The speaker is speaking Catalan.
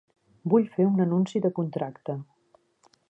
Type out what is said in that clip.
Vull fer un anunci de contracte.